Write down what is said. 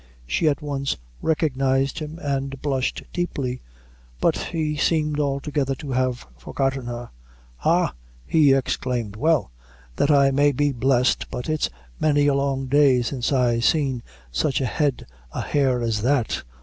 She at once recognized him, and blushed deeply; but he seemed altogether to have forgotten her. "Ha!" he exclaimed, "well, that I may be blest, but it's many a long day since I seen such a head o' hair as that!